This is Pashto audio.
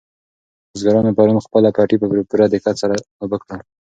بزګرانو پرون خپل پټي په پوره دقت سره اوبه کړل.